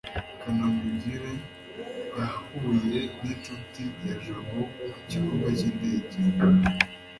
kanamugire yahuye n'inshuti ya jabo ku kibuga cy'indege